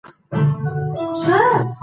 ایا د مالټو په پوستکي کي ویټامینونه سته؟